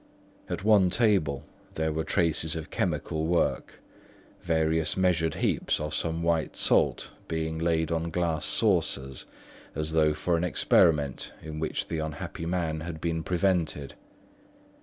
At one table, there were traces of chemical work, various measured heaps of some white salt being laid on glass saucers, as though for an experiment in which the unhappy man had been prevented.